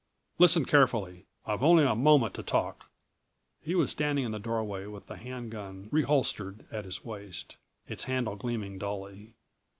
Listen carefully. I've only a moment to talk." He was standing in the doorway with the hand gun reholstered at his waist, its handle gleaming dully.